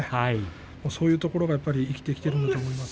そういうところが生きていると思います。